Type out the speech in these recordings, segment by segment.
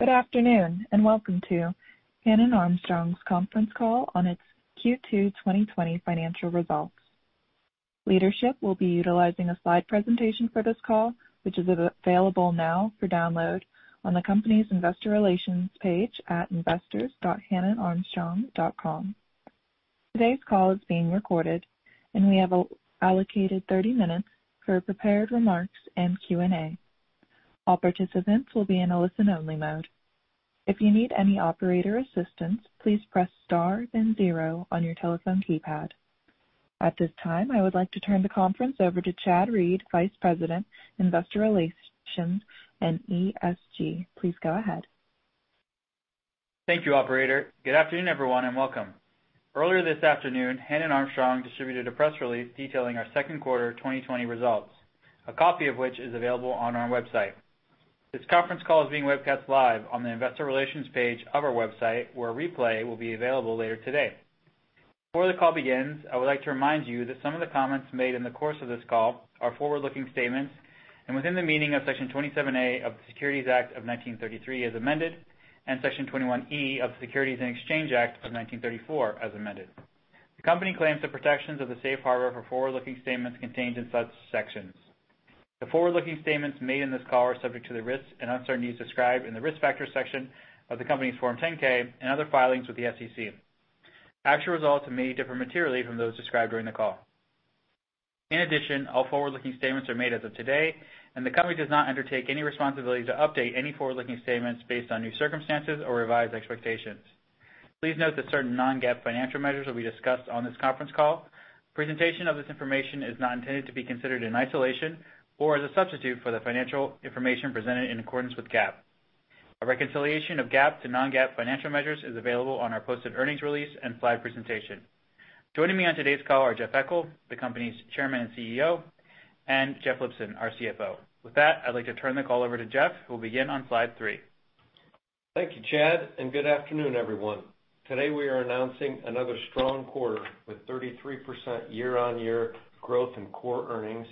Good afternoon, and welcome to Hannon Armstrong's conference call on its Q2 2020 financial results. Leadership will be utilizing a slide presentation for this call, which is available now for download on the company's investor relations page at investors.hannonarmstrong.com. Today's call is being recorded. We have allocated 30 minutes for prepared remarks and Q&A. All participants will be in a listen-only mode. If you need any operator assistance, please press star then zero on your telephone keypad. At this time, I would like to turn the conference over to Chad Reed, Vice President, Investor Relations and ESG. Please go ahead. Thank you, operator. Good afternoon, everyone, and welcome. Earlier this afternoon, Hannon Armstrong distributed a press release detailing our second quarter 2020 results, a copy of which is available on our website. This conference call is being webcast live on the investor relations page of our website, where a replay will be available later today. Before the call begins, I would like to remind you that some of the comments made in the course of this call are forward-looking statements within the meaning of Section 27A of the Securities Act of 1933, as amended, and Section 21E of the Securities Exchange Act of 1934, as amended. The company claims the protections of the safe harbor for forward-looking statements contained in such sections. The forward-looking statements made in this call are subject to the risks and uncertainties described in the Risk Factors section of the company's Form 10-K and other filings with the SEC. Actual results may differ materially from those described during the call. All forward-looking statements are made as of today. The company does not undertake any responsibility to update any forward-looking statements based on new circumstances or revised expectations. Please note that certain non-GAAP financial measures will be discussed on this conference call. Presentation of this information is not intended to be considered in isolation or as a substitute for the financial information presented in accordance with GAAP. A reconciliation of GAAP to non-GAAP financial measures is available on our posted earnings release and slide presentation. Joining me on today's call are Jeff Eckel, the company's Chairman and CEO, and Jeff Lipson, our CFO. With that, I'd like to turn the call over to Jeff, who will begin on slide three. Thank you, Chad, and good afternoon, everyone. Today, we are announcing another strong quarter with 33% year-on-year growth in core earnings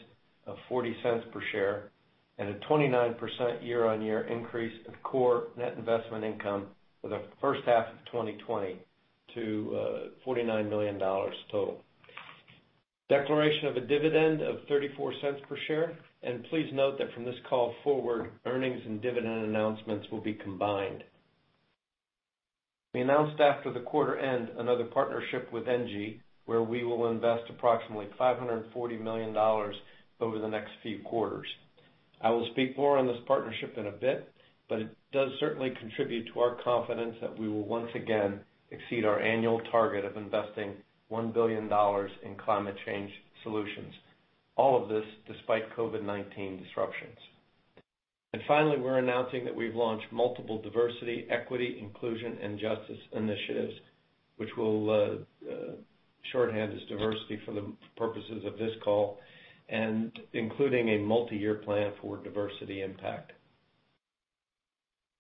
of $0.40 per share and a 29% year-on-year increase of core net investment income for the first half of 2020 to $49 million total. Declaration of a dividend of $0.34 per share. Please note that from this call forward, earnings and dividend announcements will be combined. We announced after the quarter end another partnership with NG, where we will invest approximately $540 million over the next few quarters. I will speak more on this partnership in a bit, but it does certainly contribute to our confidence that we will once again exceed our annual target of investing $1 billion in climate change solutions. All of this despite COVID-19 disruptions. Finally, we're announcing that we've launched multiple diversity, equity, inclusion, and justice initiatives, which we'll shorthand as diversity for the purposes of this call, including a multi-year plan for diversity impact.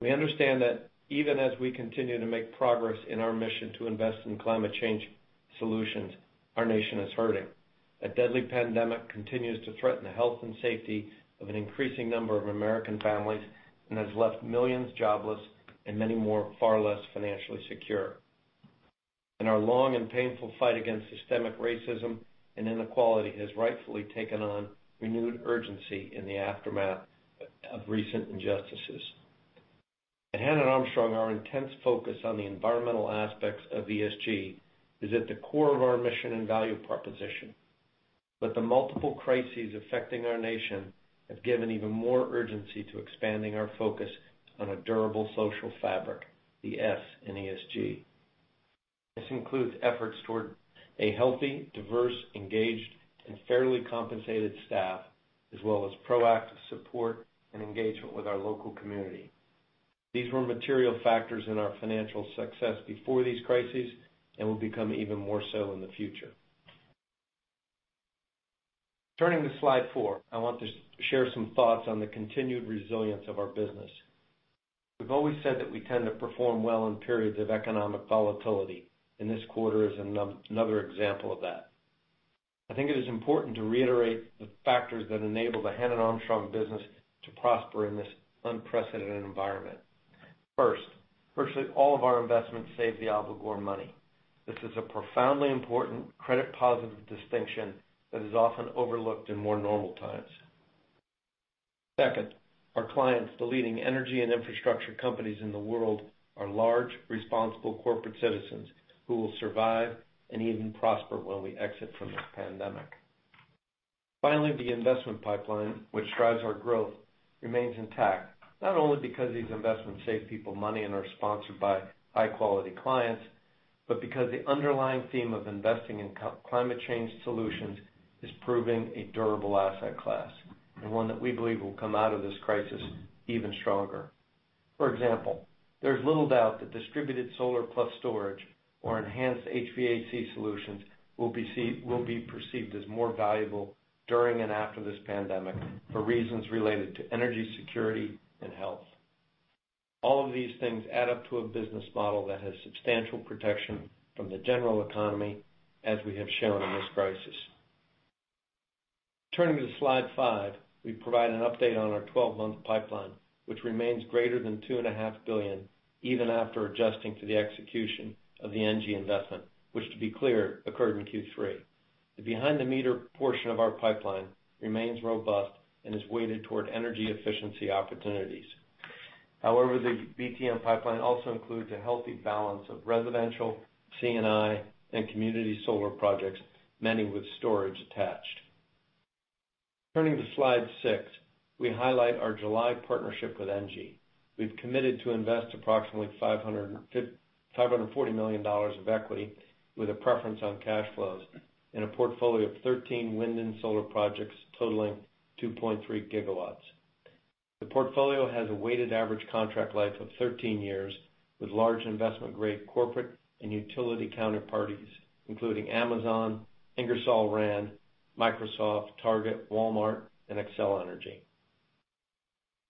We understand that even as we continue to make progress in our mission to invest in climate change solutions, our nation is hurting. A deadly pandemic continues to threaten the health and safety of an increasing number of American families and has left millions jobless and many more far less financially secure. Our long and painful fight against systemic racism and inequality has rightfully taken on renewed urgency in the aftermath of recent injustices. At Hannon Armstrong, our intense focus on the environmental aspects of ESG is at the core of our mission and value proposition. The multiple crises affecting our nation have given even more urgency to expanding our focus on a durable social fabric, the S in ESG. This includes efforts toward a healthy, diverse, engaged, and fairly compensated staff, as well as proactive support and engagement with our local community. These were material factors in our financial success before these crises and will become even more so in the future. Turning to slide four, I want to share some thoughts on the continued resilience of our business. We've always said that we tend to perform well in periods of economic volatility, and this quarter is another example of that. I think it is important to reiterate the factors that enable the Hannon Armstrong business to prosper in this unprecedented environment. First, virtually all of our investments save the obligor money. This is a profoundly important credit positive distinction that is often overlooked in more normal times. Second, our clients, the leading energy and infrastructure companies in the world, are large, responsible corporate citizens who will survive and even prosper when we exit from this pandemic. Finally, the investment pipeline, which drives our growth, remains intact, not only because these investments save people money and are sponsored by high-quality clients, but because the underlying theme of investing in climate change solutions is proving a durable asset class, and one that we believe will come out of this crisis even stronger. For example, there's little doubt that distributed solar plus storage or enhanced HVAC solutions will be perceived as more valuable during and after this pandemic for reasons related to energy security and health. All of these things add up to a business model that has substantial protection from the general economy, as we have shown in this crisis. Turning to slide five, we provide an update on our 12-month pipeline, which remains greater than $2.5 billion, even after adjusting to the execution of the ENGIE investment, which to be clear, occurred in Q3. The behind the meter portion of our pipeline remains robust and is weighted toward energy efficiency opportunities. However, the BTM pipeline also includes a healthy balance of residential, C&I, and community solar projects, many with storage attached. Turning to slide six, we highlight our July partnership with ENGIE. We've committed to invest approximately $540 million of equity with a preference on cash flows in a portfolio of 13 wind and solar projects totaling 2.3 gigawatts. The portfolio has a weighted average contract life of 13 years, with large investment-grade corporate and utility counterparties, including Amazon, Ingersoll Rand, Microsoft, Target, Walmart, and Xcel Energy.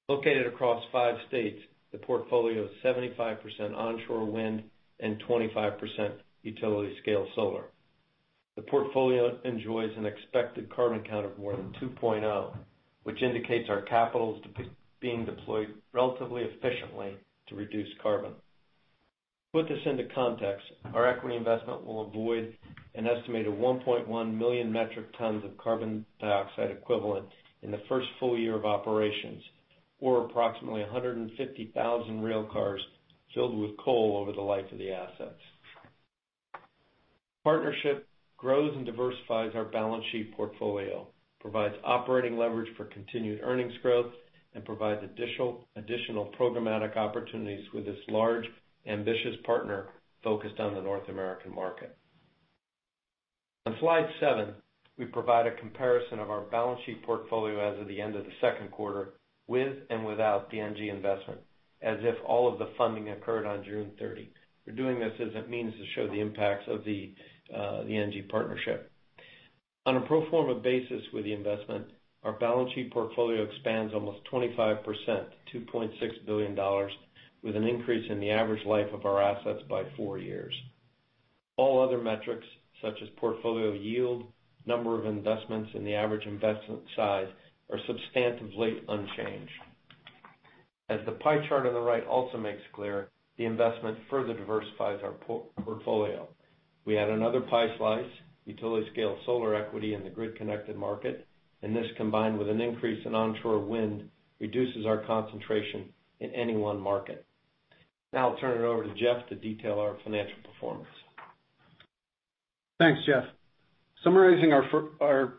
Located across five states, the portfolio is 75% onshore wind and 25% utility scale solar. The portfolio enjoys an expected CarbonCount of more than 2.0, which indicates our capital is being deployed relatively efficiently to reduce carbon. To put this into context, our equity investment will avoid an estimated 1.1 million metric tons of carbon dioxide equivalent in the first full year of operations, or approximately 150,000 rail cars filled with coal over the life of the assets. Partnership grows and diversifies our balance sheet portfolio, provides operating leverage for continued earnings growth, and provides additional programmatic opportunities with this large, ambitious partner focused on the North American market. On slide seven, we provide a comparison of our balance sheet portfolio as of the end of the second quarter with and without the ENGIE investment, as if all of the funding occurred on June 30th. We're doing this as a means to show the impacts of the ENGIE partnership. On a pro forma basis with the investment, our balance sheet portfolio expands almost 25%, to $2.6 billion, with an increase in the average life of our assets by four years. All other metrics, such as portfolio yield, number of investments and the average investment size, are substantively unchanged. As the pie chart on the right also makes clear, the investment further diversifies our portfolio. We add another pie slice, utility scale solar equity in the grid connected market, and this, combined with an increase in onshore wind, reduces our concentration in any one market. Now I'll turn it over to Jeff to detail our financial performance. Thanks, Jeff. Summarizing our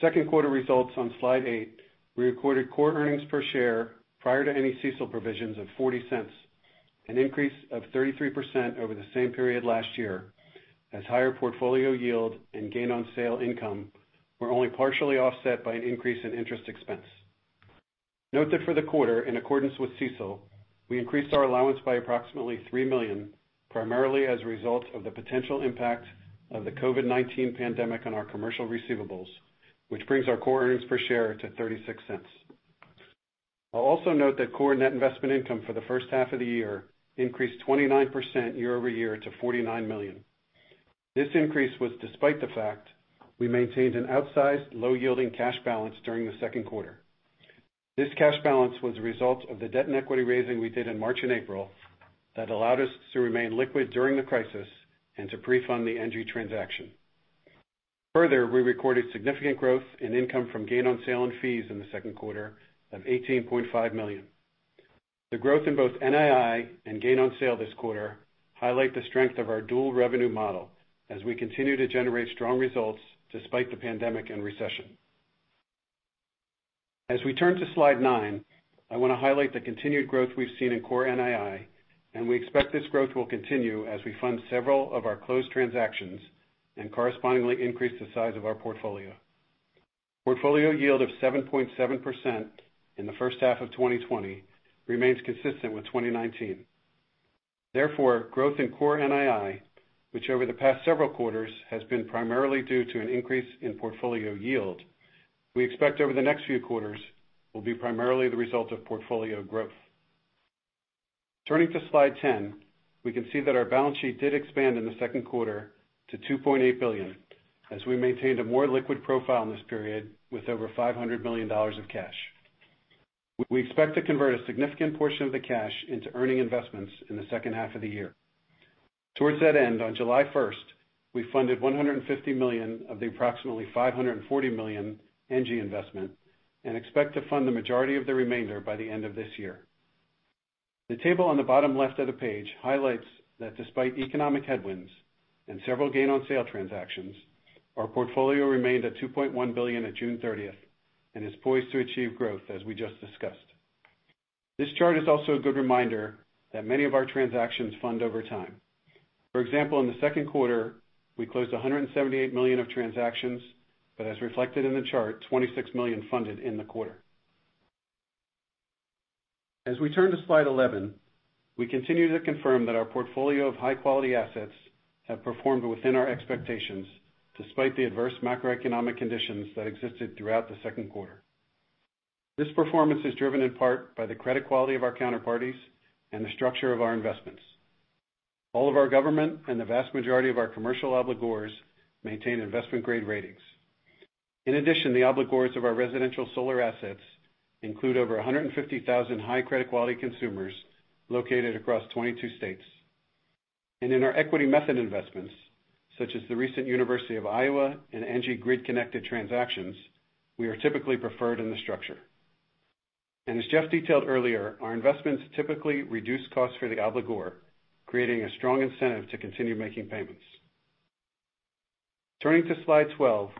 second quarter results on slide eight, we recorded core earnings per share prior to any CECL provisions of $0.40, an increase of 33% over the same period last year as higher portfolio yield and gain on sale income were only partially offset by an increase in interest expense. Note that for the quarter, in accordance with CECL, we increased our allowance by approximately $3 million, primarily as a result of the potential impact of the COVID-19 pandemic on our commercial receivables, which brings our core earnings per share to $0.36. I'll also note that core net investment income for the first half of the year increased 29% year-over-year to $49 million. This increase was despite the fact we maintained an outsized, low-yielding cash balance during the second quarter. This cash balance was a result of the debt and equity raising we did in March and April that allowed us to remain liquid during the crisis and to pre-fund the ENGIE transaction. Further, we recorded significant growth in income from gain on sale and fees in the second quarter of $18.5 million. The growth in both NII and gain on sale this quarter highlight the strength of our dual revenue model as we continue to generate strong results despite the pandemic and recession. As we turn to slide nine, I want to highlight the continued growth we've seen in core NII, and we expect this growth will continue as we fund several of our closed transactions and correspondingly increase the size of our portfolio. Portfolio yield of 7.7% in the first half of 2020 remains consistent with 2019. Growth in core NII, which over the past several quarters has been primarily due to an increase in portfolio yield, we expect over the next few quarters will be primarily the result of portfolio growth. Turning to slide 10, we can see that our balance sheet did expand in the second quarter to $2.8 billion as we maintained a more liquid profile in this period with over $500 million of cash. We expect to convert a significant portion of the cash into earning investments in the second half of the year. Towards that end, on July 1st, we funded $150 million of the approximately $540 million ENGIE investment and expect to fund the majority of the remainder by the end of this year. The table on the bottom left of the page highlights that despite economic headwinds and several gain on sale transactions, our portfolio remained at $2.1 billion at June 30th and is poised to achieve growth as we just discussed. This chart is also a good reminder that many of our transactions fund over time. For example, in the second quarter, we closed $178 million of transactions, but as reflected in the chart, $26 million funded in the quarter. As we turn to slide 11, we continue to confirm that our portfolio of high-quality assets have performed within our expectations, despite the adverse macroeconomic conditions that existed throughout the second quarter. This performance is driven in part by the credit quality of our counterparties and the structure of our investments. All of our government and the vast majority of our commercial obligors maintain investment-grade ratings. In addition, the obligors of our residential solar assets include over 150,000 high credit quality consumers located across 22 states. In our equity method investments, such as the recent University of Iowa and ENGIE grid-connected transactions, we are typically preferred in the structure. As Jeff detailed earlier, our investments typically reduce costs for the obligor, creating a strong incentive to continue making payments. Turning to slide 12,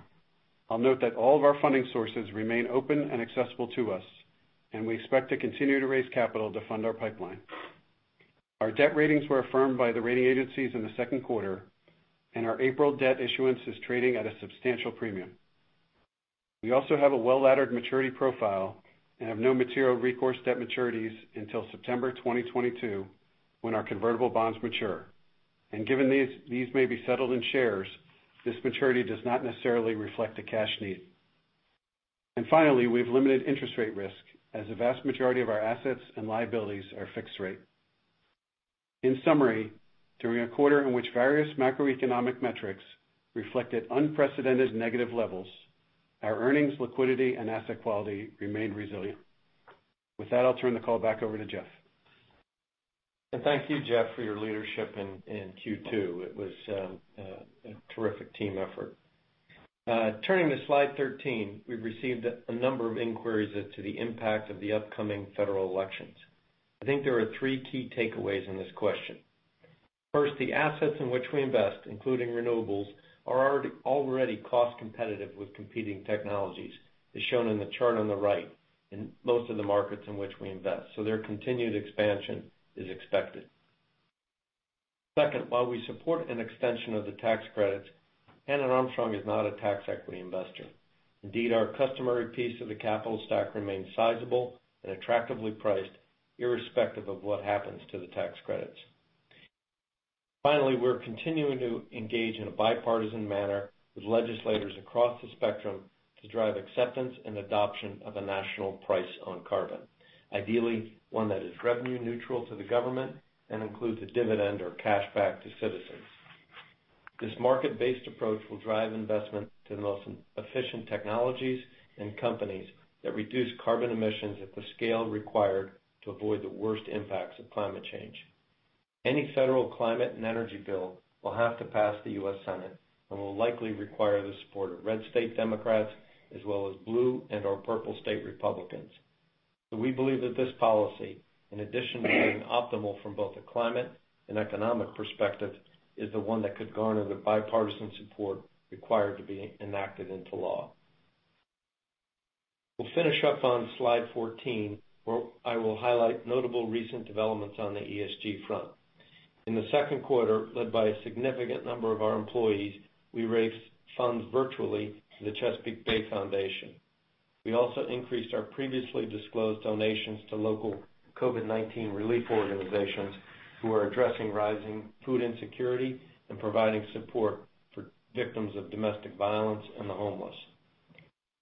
I'll note that all of our funding sources remain open and accessible to us, and we expect to continue to raise capital to fund our pipeline. Our debt ratings were affirmed by the rating agencies in the second quarter, and our April debt issuance is trading at a substantial premium. We also have a well-laddered maturity profile and have no material recourse debt maturities until September 2022, when our convertible bonds mature. Given these may be settled in shares, this maturity does not necessarily reflect a cash need. Finally, we have limited interest rate risk, as the vast majority of our assets and liabilities are fixed rate. In summary, during a quarter in which various macroeconomic metrics reflected unprecedented negative levels, our earnings liquidity and asset quality remained resilient. With that, I'll turn the call back over to Jeff. Thank you, Jeff, for your leadership in Q2. It was a terrific team effort. Turning to slide 13, we've received a number of inquiries as to the impact of the upcoming federal elections. I think there are three key takeaways in this question. First, the assets in which we invest, including renewables, are already cost competitive with competing technologies, as shown in the chart on the right in most of the markets in which we invest. Their continued expansion is expected. Second, while we support an extension of the tax credits, Hannon Armstrong is not a tax equity investor. Indeed, our customary piece of the capital stack remains sizable and attractively priced irrespective of what happens to the tax credits. Finally, we're continuing to engage in a bipartisan manner with legislators across the spectrum to drive acceptance and adoption of a national price on carbon. Ideally, one that is revenue neutral to the government and includes a dividend or cash back to citizens. This market-based approach will drive investment to the most efficient technologies and companies that reduce carbon emissions at the scale required to avoid the worst impacts of climate change. Any federal climate and energy bill will have to pass the U.S. Senate and will likely require the support of red state Democrats, as well as blue and/or purple state Republicans. We believe that this policy, in addition to being optimal from both a climate and economic perspective, is the one that could garner the bipartisan support required to be enacted into law. We'll finish up on slide 14, where I will highlight notable recent developments on the ESG front. In the second quarter, led by a significant number of our employees, we raised funds virtually to the Chesapeake Bay Foundation. We also increased our previously disclosed donations to local COVID-19 relief organizations who are addressing rising food insecurity and providing support for victims of domestic violence and the homeless.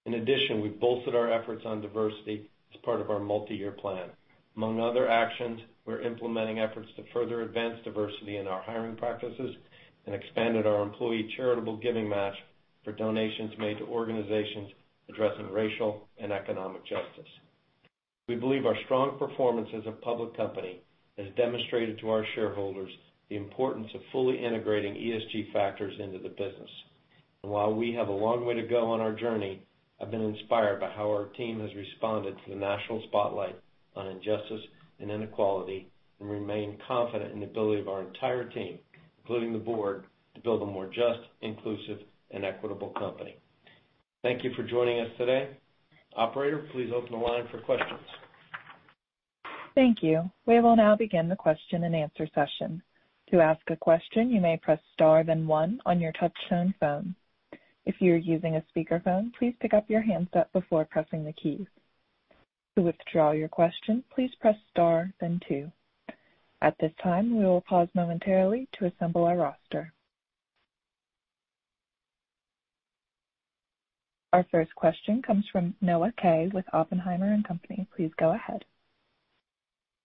In addition, we've bolstered our efforts on diversity as part of our multi-year plan. Among other actions, we're implementing efforts to further advance diversity in our hiring practices and expanded our employee charitable giving match for donations made to organizations addressing racial and economic justice. We believe our strong performance as a public company has demonstrated to our shareholders the importance of fully integrating ESG factors into the business. While we have a long way to go on our journey, I've been inspired by how our team has responded to the national spotlight on injustice and inequality, and remain confident in the ability of our entire team, including the board, to build a more just, inclusive, and equitable company. Thank you for joining us today. Operator, please open the line for questions. Thank you. We will now begin the question and answer session. To ask a question, you may press star then one on your touchtone phone. If you are using a speakerphone, please pick up your handset before pressing the key. To withdraw your question, please press star then two. At this time, we will pause momentarily to assemble our roster. Our first question comes from Noah Kaye with Oppenheimer & Co.. Please go ahead.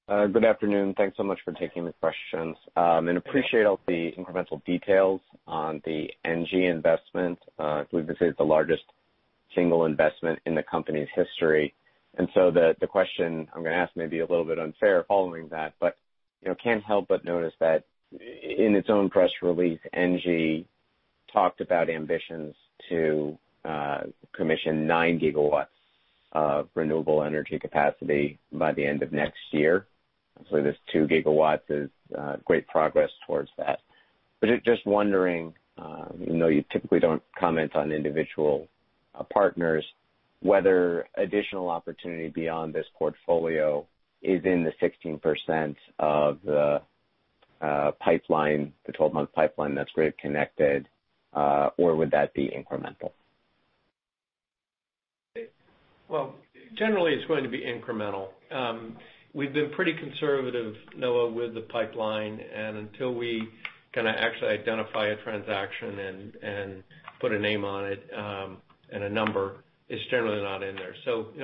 Good afternoon. Thanks so much for taking the questions. Appreciate all the incremental details on the ENGIE investment. I believe this is the largest single investment in the company's history. So the question I'm going to ask may be a little bit unfair following that, but can't help but notice that in its own press release, ENGIE talked about ambitions to commission 9 gigawatts of renewable energy capacity by the end of next year. So this 2 gigawatts is great progress towards that. Just wondering, even though you typically don't comment on individual partners, whether additional opportunity beyond this portfolio is in the 16% of the 12-month pipeline that's grid connected, or would that be incremental? Well, generally, it's going to be incremental. We've been pretty conservative, Noah, with the pipeline. Until we kind of actually identify a transaction and put a name on it, and a number, it's generally not in there.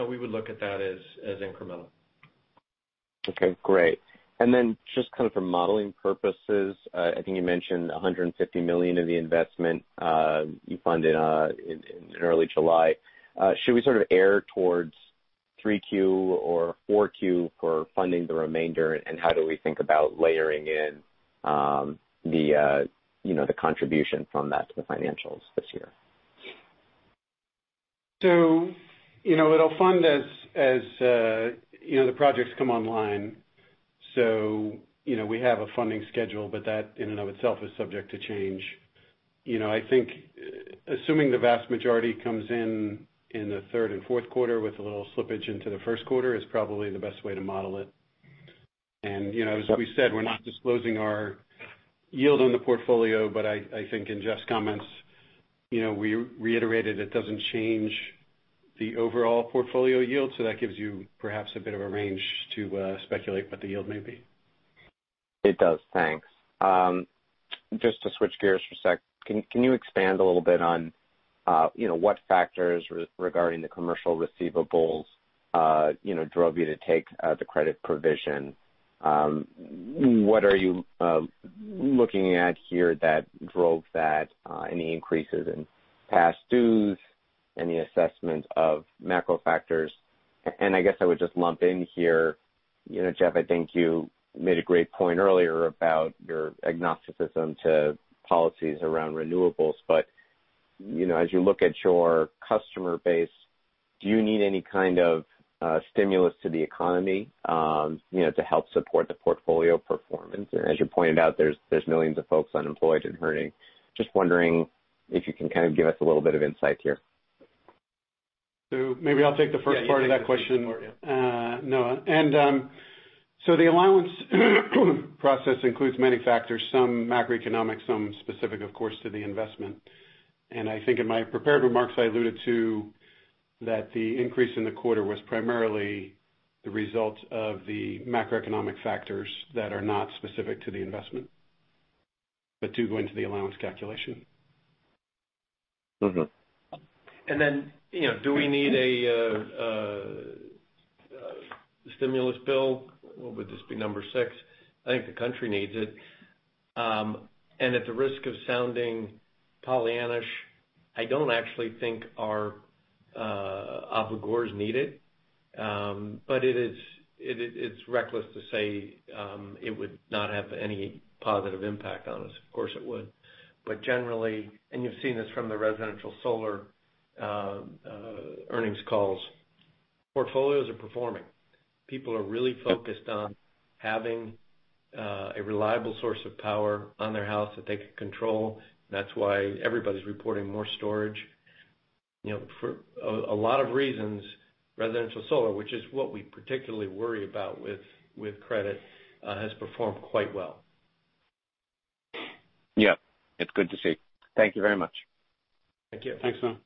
We would look at that as incremental. Okay, great. Just from modeling purposes, I think you mentioned $150 million of the investment you funded in early July. Should we err towards three Q or four Q for funding the remainder? How do we think about layering in the contribution from that to the financials this year? It'll fund as the projects come online. We have a funding schedule, but that in and of itself is subject to change. I think assuming the vast majority comes in the third and fourth quarter with a little slippage into the first quarter is probably the best way to model it. As we said, we're not disclosing our yield on the portfolio, but I think in Jeff's comments, we reiterated it doesn't change the overall portfolio yield. That gives you perhaps a bit of a range to speculate what the yield may be. It does. Thanks. Just to switch gears for a sec, can you expand a little bit on what factors regarding the commercial receivables drove you to take the credit provision? What are you looking at here that drove that? Any increases in past dues? Any assessment of macro factors? I guess I would just lump in here, Jeff, I think you made a great point earlier about your agnosticism to policies around renewables. As you look at your customer base, do you need any kind of stimulus to the economy to help support the portfolio performance? As you pointed out, there's millions of folks unemployed and hurting. Just wondering if you can kind of give us a little bit of insight here. Maybe I'll take the first part of that question, Noah. The allowance process includes many factors, some macroeconomic, some specific, of course, to the investment. I think in my prepared remarks, I alluded to that the increase in the quarter was primarily the result of the macroeconomic factors that are not specific to the investment, but do go into the allowance calculation. Then, do we need a stimulus bill? What would this be, number 6? I think the country needs it. At the risk of sounding Pollyannaish, I don't actually think our obligors is needed. It is reckless to say it would not have any positive impact on us. Of course, it would. Generally, and you've seen this from the residential solar earnings calls, portfolios are performing. People are really focused on having a reliable source of power on their house that they can control. That's why everybody's reporting more storage. For a lot of reasons, residential solar, which is what we particularly worry about with credit, has performed quite well. Yep. It's good to see. Thank you very much. Thank you. Thanks, Noah.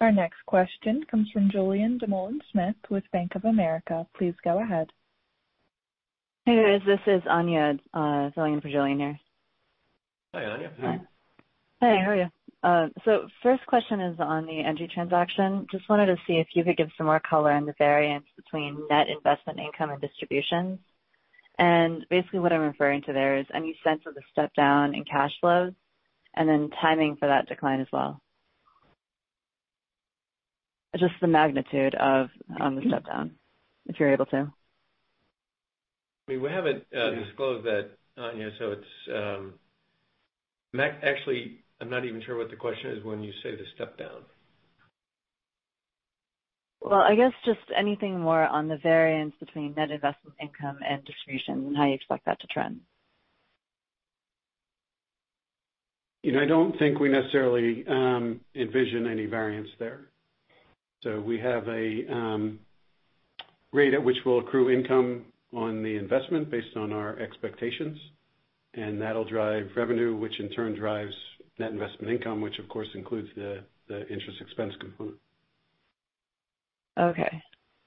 Our next question comes from Julien Dumoulin-Smith with Bank of America. Please go ahead. Hey, guys. This is Anya filling in for Julien here. Hi, Anya. Hi. Hey, how are you? First question is on the ENGIE transaction. Just wanted to see if you could give some more color on the variance between net investment income and distributions. Basically, what I'm referring to there is any sense of the step down in cash flows and then timing for that decline as well. Just the magnitude of the step down, if you're able to. We haven't disclosed that, Anya. Actually, I'm not even sure what the question is when you say the step down. Well, I guess just anything more on the variance between net investment income and distribution and how you expect that to trend. I don't think we necessarily envision any variance there. We have a rate at which we'll accrue income on the investment based on our expectations, and that'll drive revenue, which in turn drives net investment income, which of course includes the interest expense component. Okay.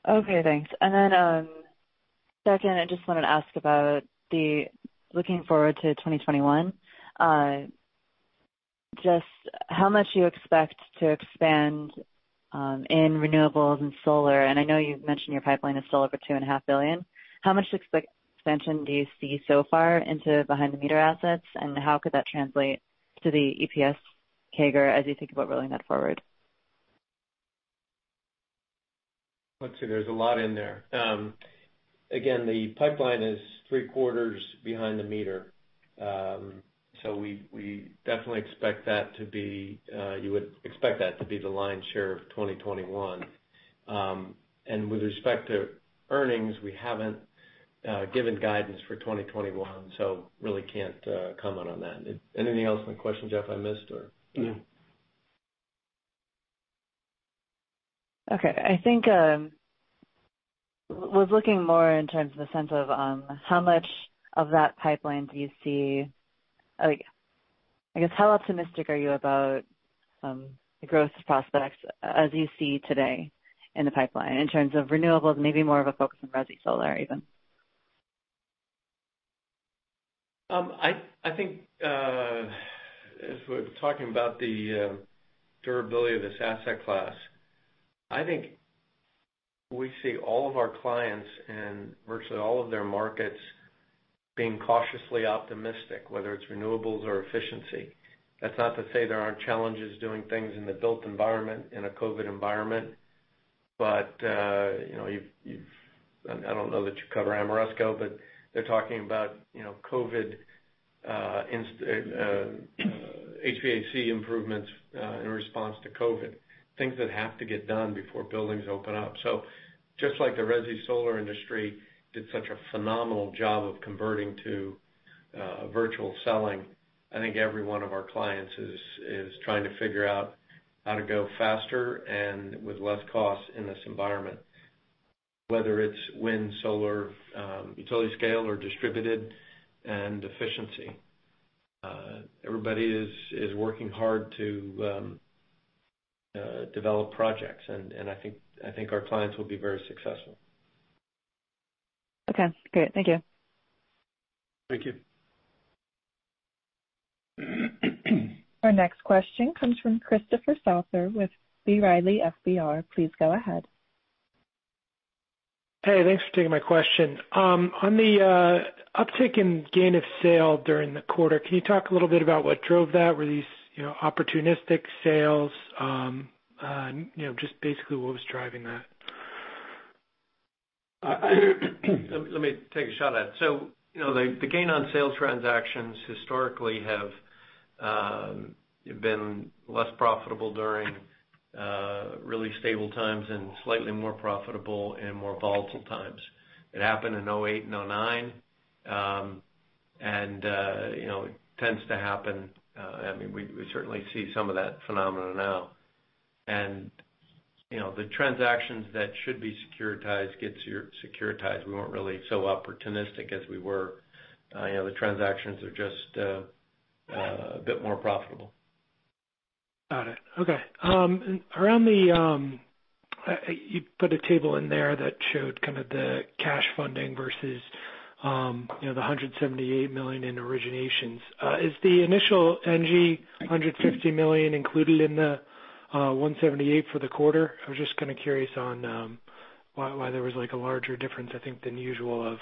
Thanks. Then, second, I just wanted to ask about the looking forward to 2021. Just how much you expect to expand in renewables and solar, and I know you've mentioned your pipeline is still over $2.5 billion. How much expansion do you see so far into behind the meter assets, and how could that translate to the EPS CAGR as you think about rolling that forward? Let's see, there's a lot in there. The pipeline is three-quarters behind the meter. We definitely expect that to be the lion's share of 2021. With respect to earnings, we haven't given guidance for 2021, really can't comment on that. Anything else in the question, Jeff, I missed or? No. Okay. I think I was looking more in terms of the sense of how much of that pipeline do you see. I guess, how optimistic are you about the growth prospects as you see today in the pipeline in terms of renewables, maybe more of a focus on resi solar, even? I think if we're talking about the durability of this asset class, I think we see all of our clients and virtually all of their markets being cautiously optimistic, whether it's renewables or efficiency. That's not to say there aren't challenges doing things in the built environment, in a COVID environment. I don't know that you cover Ameresco, but they're talking about COVID HVAC improvements in response to COVID, things that have to get done before buildings open up. Just like the resi solar industry did such a phenomenal job of converting to virtual selling, I think every one of our clients is trying to figure out how to go faster and with less cost in this environment, whether it's wind, solar, utility scale, or distributed and efficiency. Everybody is working hard to develop projects, I think our clients will be very successful. Okay, great. Thank you. Thank you. Our next question comes from Christopher Souther with B. Riley FBR. Please go ahead. Hey, thanks for taking my question. On the uptick in gain of sale during the quarter, can you talk a little bit about what drove that? Were these opportunistic sales? Just basically what was driving that? Let me take a shot at it. The gain on sale transactions historically have been less profitable during really stable times and slightly more profitable in more volatile times. It happened in 2008 and 2009. It tends to happen. We certainly see some of that phenomena now. The transactions that should be securitized get securitized. We weren't really so opportunistic as we were. The transactions are just a bit more profitable. Got it. Okay. You put a table in there that showed kind of the cash funding versus the $178 million in originations. Is the initial ENGIE $150 million included in the $178 for the quarter? I was just kind of curious on why there was a larger difference, I think, than usual of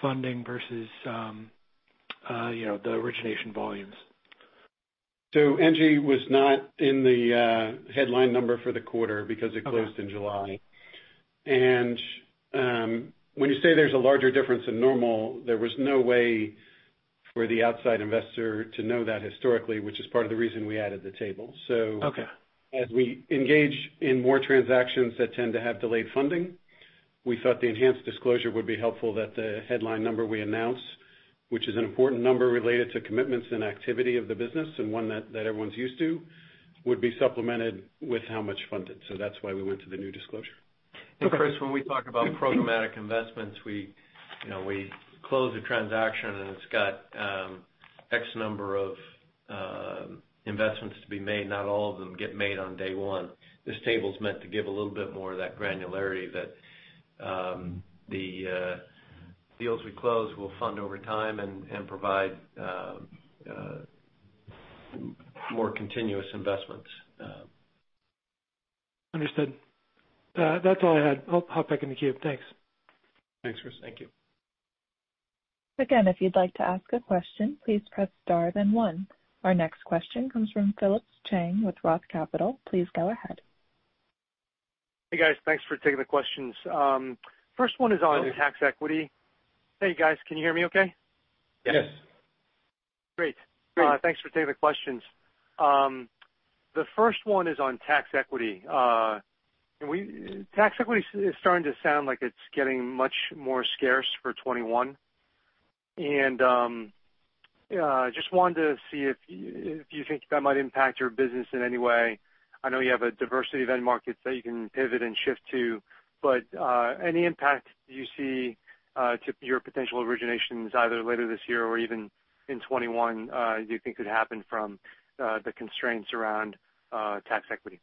funding versus the origination volumes. ENGIE was not in the headline number for the quarter because it closed in July. Okay. When you say there's a larger difference than normal, there was no way for the outside investor to know that historically, which is part of the reason we added the table. Okay. As we engage in more transactions that tend to have delayed funding, we thought the enhanced disclosure would be helpful that the headline number we announce, which is an important number related to commitments and activity of the business and one that everyone's used to, would be supplemented with how much funded. That's why we went to the new disclosure. Okay. Chris, when we talk about programmatic investments, we close a transaction, and it's got X number of investments to be made. Not all of them get made on day one. This table's meant to give a little bit more of that granularity that the deals we close will fund over time and provide more continuous investments. Understood. That's all I had. I'll hop back in the queue. Thanks. Thanks, Chris. Thank you. If you'd like to ask a question, please press star then one. Our next question comes from Phillips Chang with Roth Capital. Please go ahead. Hey, guys. Thanks for taking the questions. First one is on tax equity. Hey guys, can you hear me okay? Yes. Yes. Great. Thanks for taking the questions. The first one is on tax equity. Tax equity is starting to sound like it's getting much more scarce for 2021. Just wanted to see if you think that might impact your business in any way. I know you have a diversity of end markets that you can pivot and shift to. Any impact you see to your potential originations either later this year or even in 2021 you think could happen from the constraints around tax equity?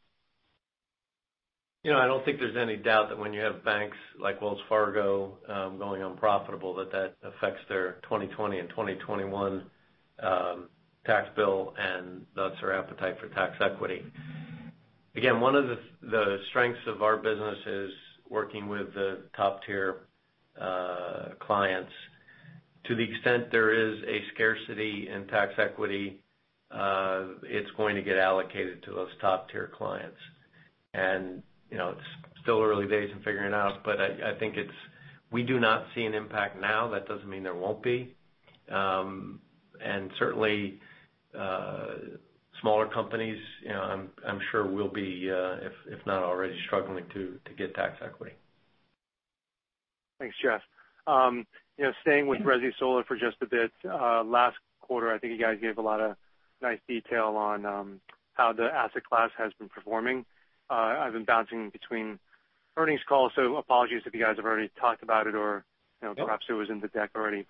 I don't think there's any doubt that when you have banks like Wells Fargo going unprofitable, that that affects their 2020 and 2021 tax bill, and thus their appetite for tax equity. One of the strengths of our business is working with the top-tier clients. To the extent there is a scarcity in tax equity, it's going to get allocated to those top-tier clients. It's still early days in figuring it out, but I think we do not see an impact now. That doesn't mean there won't be. Certainly, smaller companies, I'm sure will be, if not already struggling to get tax equity. Thanks, Jeff. Staying with resi solar for just a bit. Last quarter, I think you guys gave a lot of nice detail on how the asset class has been performing. I've been bouncing between earnings calls, so apologies if you guys have already talked about it or No Perhaps it was in the deck already.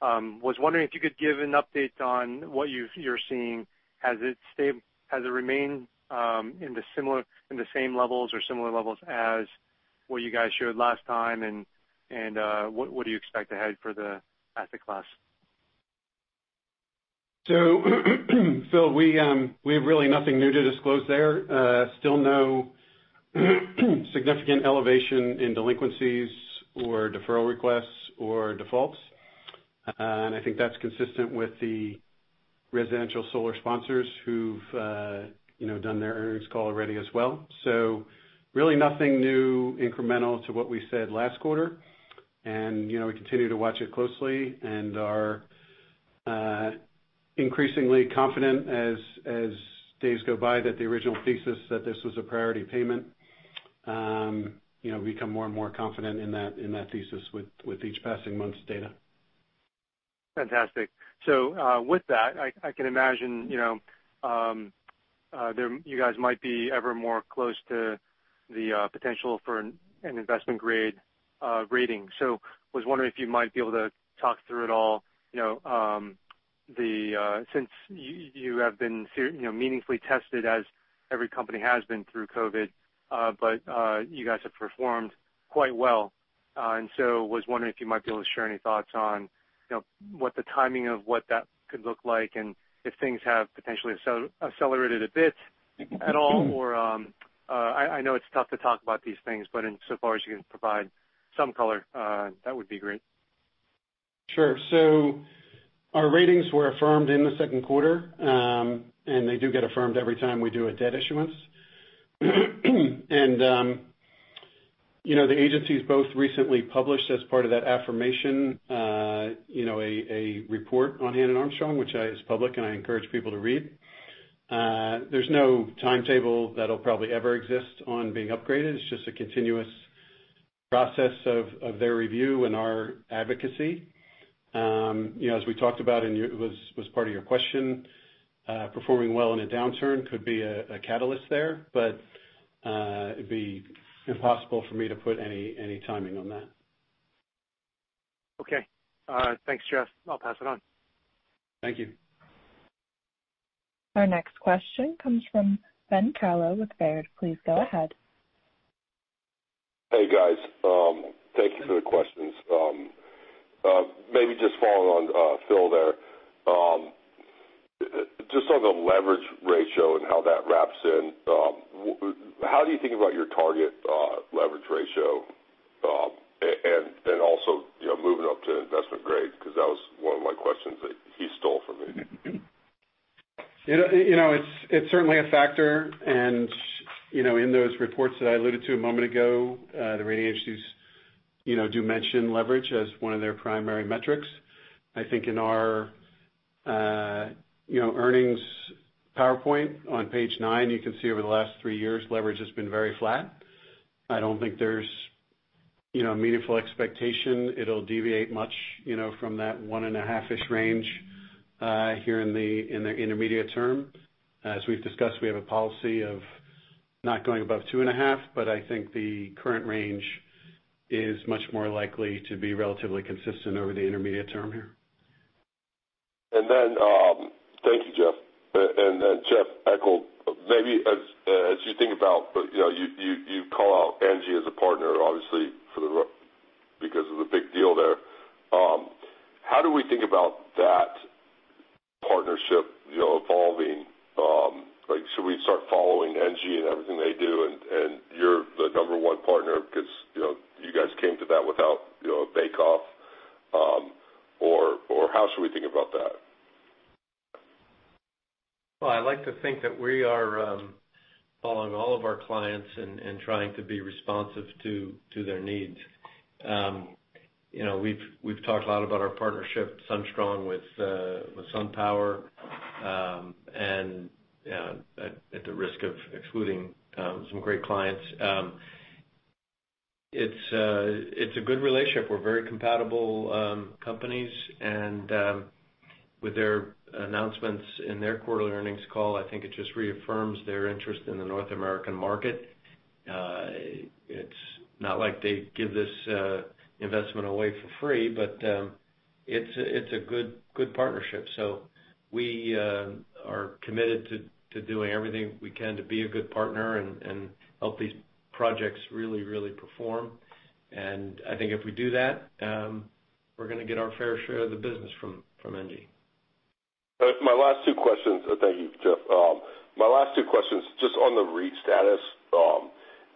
Was wondering if you could give an update on what you're seeing. Has it remained in the same levels or similar levels as what you guys shared last time, and what do you expect ahead for the asset class? Phil, we have really nothing new to disclose there. Still no significant elevation in delinquencies or deferral requests or defaults. I think that's consistent with the residential solar sponsors who've done their earnings call already as well. Really nothing new incremental to what we said last quarter. We continue to watch it closely and are increasingly confident as days go by that the original thesis that this was a priority payment become more and more confident in that thesis with each passing month's data. Fantastic. With that, I can imagine you guys might be ever more close to the potential for an investment-grade rating. Was wondering if you might be able to talk through it all. Since you have been meaningfully tested as every company has been through COVID, but you guys have performed quite well. Was wondering if you might be able to share any thoughts on what the timing of what that could look like, and if things have potentially accelerated a bit at all or I know it's tough to talk about these things, but insofar as you can provide some color, that would be great. Sure. Our ratings were affirmed in the second quarter. They do get affirmed every time we do a debt issuance. The agencies both recently published as part of that affirmation a report on Hannon Armstrong, which is public, and I encourage people to read. There's no timetable that'll probably ever exist on being upgraded. It's just a continuous process of their review and our advocacy. As we talked about and was part of your question, performing well in a downturn could be a catalyst there. It'd be impossible for me to put any timing on that. Okay. Thanks, Jeff. I'll pass it on. Thank you. Our next question comes from Ben Kallo with Baird. Please go ahead. Hey, guys. Thank you for the questions. Maybe just following on Phil there. Just on the leverage ratio and how that wraps in. How do you think about your target leverage ratio? Also, moving up to investment grade, because that was one of my questions that he stole from me. It's certainly a factor. In those reports that I alluded to a moment ago, the rating agencies do mention leverage as one of their primary metrics. I think in our earnings PowerPoint on page nine, you can see over the last three years, leverage has been very flat. I don't think there's a meaningful expectation it'll deviate much from that one and a half-ish range here in the intermediate term. As we've discussed, we have a policy of not going above two and a half, but I think the current range is much more likely to be relatively consistent over the intermediate term here. Thank you, Jeff. Jeff, maybe as you think about-- you call out ENGIE as a partner, obviously because of the big deal there. How do we think about that partnership evolving? Should we start following ENGIE and everything they do, and you're the number 1 partner because you guys came to that without a bake-off? How should we think about that? I like to think that we are following all of our clients and trying to be responsive to their needs. We've talked a lot about our partnership SunStrong with SunPower, at the risk of excluding some great clients. It's a good relationship. We're very compatible companies and with their announcements in their quarterly earnings call, I think it just reaffirms their interest in the North American market. It's not like they give this investment away for free, but it's a good partnership. We are committed to doing everything we can to be a good partner and help these projects really, really perform. I think if we do that, we're going to get our fair share of the business from ENGIE. My last two questions. Thank you, Jeff. My last two questions, just on the REIT status.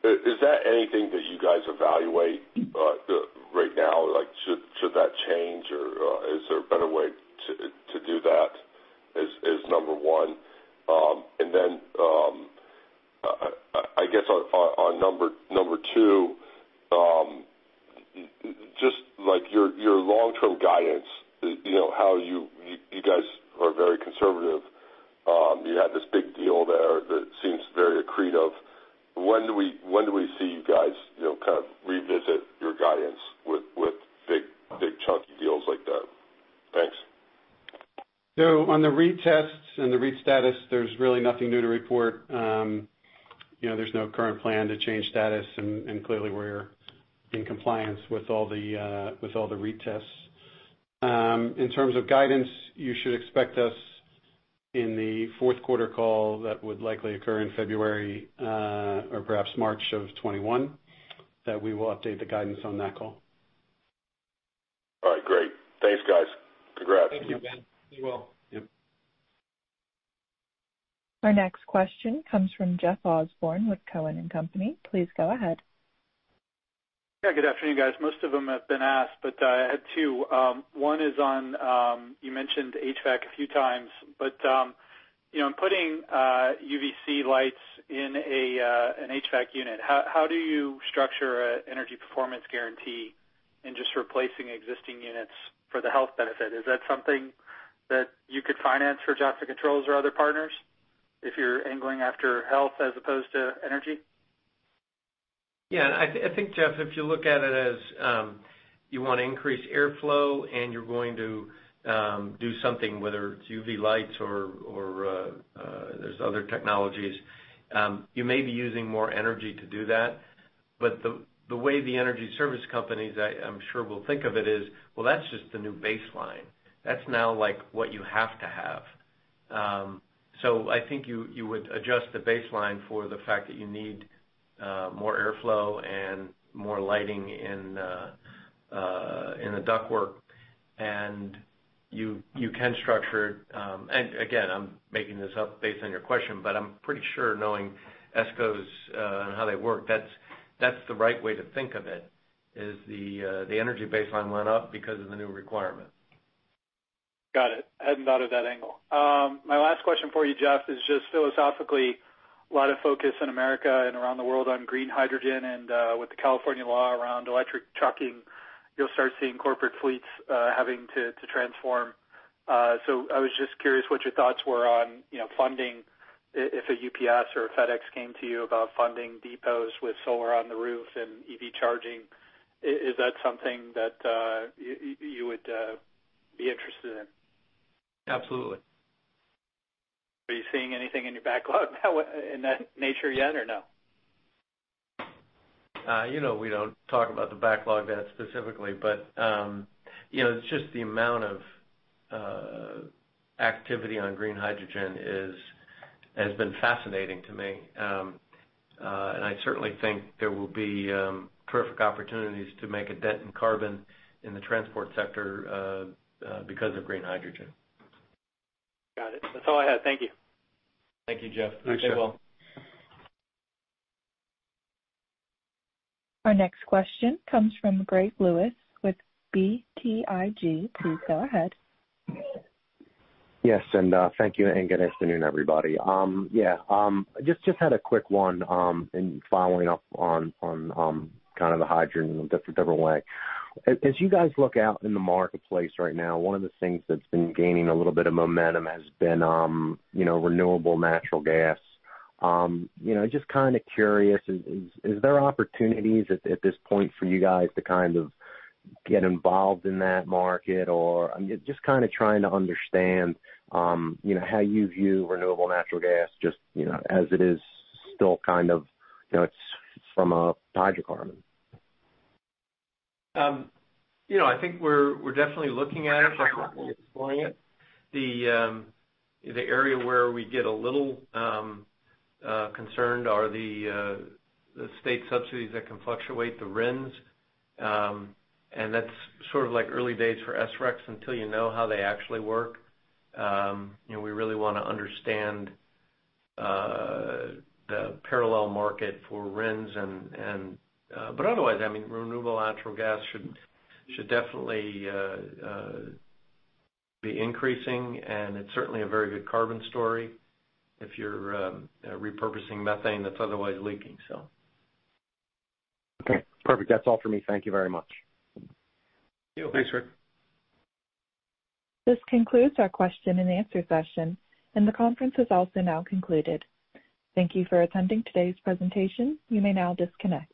Is that anything that you guys evaluate right now? Should that change or is there a better way to do that? Is number one. I guess on number two, just your long-term guidance, how you guys are very conservative. You had this big deal there that seems very accretive. When do we see you guys kind of revisit your guidance with big chunky deals like that? Thanks. On the REIT tests and the REIT status, there's really nothing new to report. There's no current plan to change status, and clearly we're in compliance with all the REIT tests. In terms of guidance, you should expect us in the fourth quarter call that would likely occur in February, or perhaps March of 2021, that we will update the guidance on that call. All right, great. Thanks, guys. Congrats. Thank you. Thank you, Ben. Be well. Yep. Our next question comes from Jeff Osborne with Cowen and Company. Please go ahead. Good afternoon, guys. Most of them have been asked, I had two. One is on, you mentioned HVAC a few times, putting UVC lights in an HVAC unit, how do you structure an energy performance guarantee in just replacing existing units for the health benefit? Is that something that you could finance for Johnson Controls or other partners if you're angling after health as opposed to energy? Yeah, I think, Jeff, if you look at it as you want to increase airflow and you're going to do something, whether it's UV lights or there's other technologies, you may be using more energy to do that. The way the energy service companies, I'm sure, will think of it is, well, that's just the new baseline. That's now what you have to have. I think you would adjust the baseline for the fact that you need more airflow and more lighting in the ductwork. You can structure, again, I'm making this up based on your question, I'm pretty sure knowing ESCOs and how they work, that's the right way to think of it, is the energy baseline went up because of the new requirement. Got it. Hadn't thought of that angle. My last question for you, Jeff, is just philosophically, a lot of focus in America and around the world on green hydrogen and with the California law around electric trucking, you'll start seeing corporate fleets having to transform. I was just curious what your thoughts were on funding if a UPS or a FedEx came to you about funding depots with solar on the roof and EV charging. Is that something that you would be interested in? Absolutely. Are you seeing anything in your backlog in that nature yet or no? We don't talk about the backlog that specifically, but it's just the amount of activity on green hydrogen has been fascinating to me. I certainly think there will be terrific opportunities to make a dent in carbon in the transport sector because of green hydrogen. Got it. That's all I had. Thank you. Thank you, Jeff. Stay well. Appreciate it. Our next question comes from Greg Lewis with BTIG. Please go ahead. Yes, thank you, good afternoon, everybody. Yeah, just had a quick one, following up on kind of the hydrogen in a different way. As you guys look out in the marketplace right now, one of the things that's been gaining a little bit of momentum has been renewable natural gas. Just kind of curious, is there opportunities at this point for you guys to kind of get involved in that market? Just kind of trying to understand how you view renewable natural gas, just as it is still kind of from a hydrocarbon. I think we're definitely looking at it, like we're exploring it. The area where we get a little concerned are the state subsidies that can fluctuate the RINS. That's sort of early days for SRECs until you know how they actually work. We really want to understand the parallel market for RINS. Otherwise, I mean, renewable natural gas should definitely be increasing, it's certainly a very good carbon story if you're repurposing methane that's otherwise leaking. Okay, perfect. That's all for me. Thank you very much. Yeah. Thanks, Greg. This concludes our question and answer session. The conference is also now concluded. Thank you for attending today's presentation. You may now disconnect.